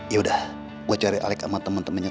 yaudah gue cari alik sama temen temennya